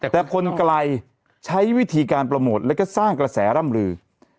แต่คนไกลใช้วิธีการโปรโมทแล้วก็สร้างกระแสร่ำลือ